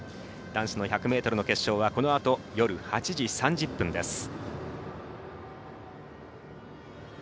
男子の１００ｍの決勝はこのあと、夜８時３０分です。